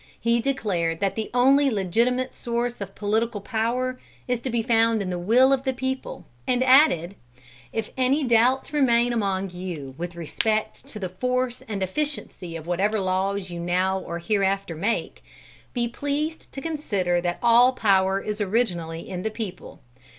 He declared that the only legitimate source of political power is to be found in the will of the people, and added: "If any doubts remain among you with respect to the force and efficiency of whatever laws you now or hereafter make, be pleased to consider that all power is originally in the people.